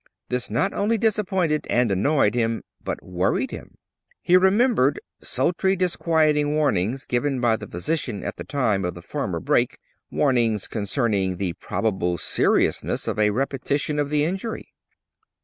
This not only disappointed and annoyed him, but worried him. He remembered sundry disquieting warnings given by the physician at the time of the former break warnings concerning the probable seriousness of a repetition of the injury.